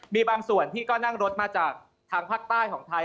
มีบางส่วนที่ก็นั่งรถมาจากทางภาคใต้ของไทย